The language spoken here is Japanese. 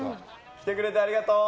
来てくれて、ありがとう！